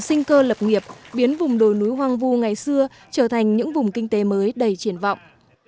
sinh cơ lập nghiệp biến vùng đồi núi hoang vu ngày xưa trở thành những vùng kinh tế mới đầy triển vọng